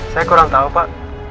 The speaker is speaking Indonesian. saya kurang tahu pak